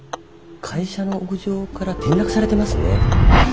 会社の屋上から転落されてますね。